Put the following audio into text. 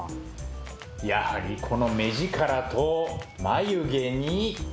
やはりこの目力と眉毛に。